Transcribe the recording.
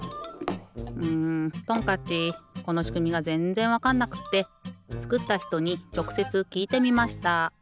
んトンカッチこのしくみがぜんぜんわかんなくってつくったひとにちょくせつきいてみました。